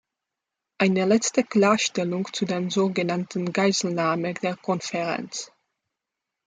Eine letzte Klarstellung zu der so genannten Geiselnahme der Konferenz.